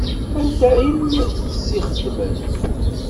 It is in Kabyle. Anta i m-tt-ixedmen?